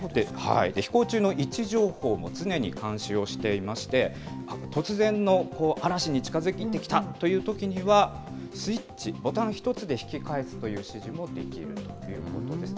飛行中の位置情報も常に監視をしていまして、突然の嵐が近づいてきたというときには、スイッチ、ボタン１つで引き返すという指示もできるということです。